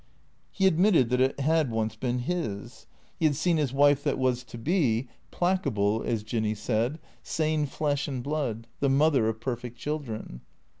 He admitted that it had once been his. He had seen his wife that was to be, placable, as Jinny said, sane flesh and blood, the mother of perfect children.